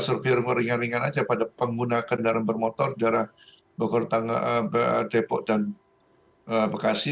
survei remu ringan ringan aja pada pengguna kendaraan bermotor di arah bogor depok dan bekasi